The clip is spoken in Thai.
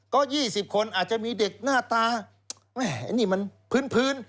ก็๒๐คนอาจจะมีเด็กหน้าตาแม่นี่มันพื้น